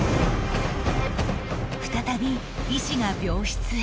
再び医師が病室へ